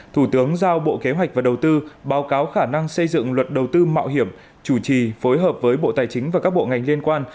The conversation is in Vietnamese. thủ tướng giao bộ kế hoạch và đầu tư báo cáo khả năng xây dựng luật đầu tư mạo hiểm chủ trì phối hợp với bộ tài chính và các bộ ngành liên quan